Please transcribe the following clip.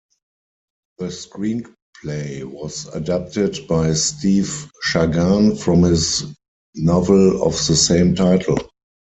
The screenplay was adapted by Steve Shagan from his novel of the same title.